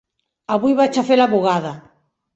Avui vaig a fer la bugada.